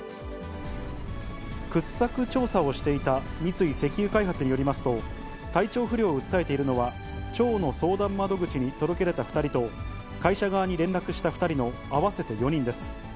掘削調査をしていた三井石油開発によりますと、体調不良を訴えているのは、町の相談窓口に届け出た２人と、会社側に連絡した２人の合わせて４人です。